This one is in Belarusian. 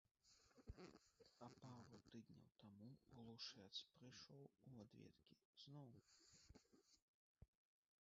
А пару тыдняў таму глушэц прыйшоў у адведкі зноў.